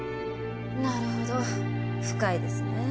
なるほど深いですねえ。